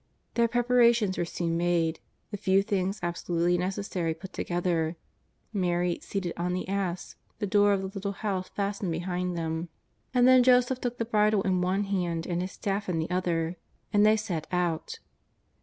Their preparations were soon made ; the few things absolutely necessary put together; Mary seated on the ass ; the door of the little house fastened behind them ; and then J oseph took the bridle in one hand and his staff in the other, and they set out.